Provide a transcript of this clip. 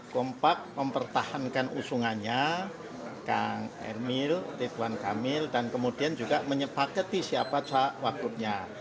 kompak mempertahankan usungannya kang emil ridwan kamil dan kemudian juga menyepakati siapa wagubnya